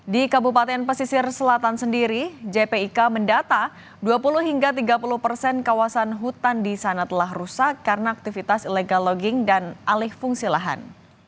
di kabupaten pesisir selatan sendiri jpik mendata dua puluh hingga tiga puluh persen kawasan hutan di sana telah rusak karena aktivitas illegal logging dan alih fungsi lahan